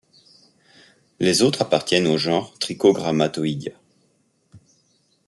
Les autres appartiennent au genre Trichogrammatoidea.